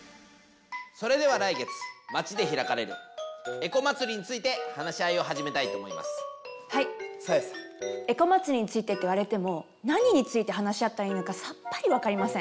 エコまつりについてって言われても何について話し合ったらいいのかさっぱりわかりません。